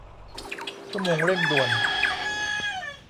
ชั่วโมงเร่งด่วน